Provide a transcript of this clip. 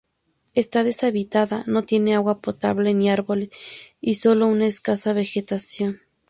Está deshabitada, no tiene agua potable ni árboles y sólo una escasa vegetación.